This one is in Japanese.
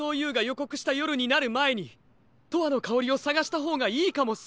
こくしたよるになるまえに「とわのかおり」をさがしたほうがいいかもっす。